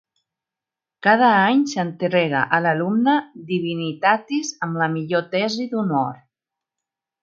Cada any s'entrega a l'alumne Divinitatis amb la millor tesi d'honor.